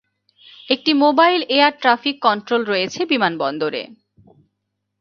একটি mobile air traffic control রয়েছে বিমানবন্দরে।